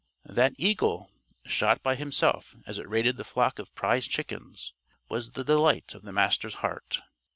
That eagle, shot by himself as it raided the flock of prize chickens, was the delight of the Master's heart.